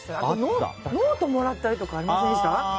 ノートもらったりとかありませんでした？